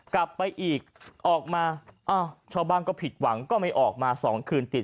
กลับไปอีกออกมาอ้าวชาวบ้านก็ผิดหวังก็ไม่ออกมา๒คืนติด